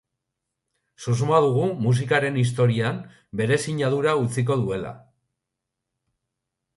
Susmoa dugu musikaren historian bere sinadura utziko duela.